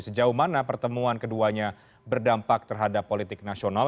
sejauh mana pertemuan keduanya berdampak terhadap politik nasional